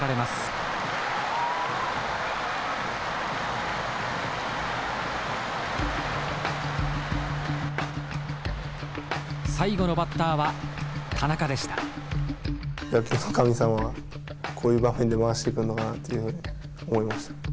野球の神様はこういう場面で回してくるのかなっていうふうに思いました。